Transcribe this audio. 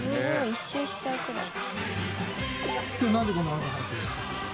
一周しちゃうくらい。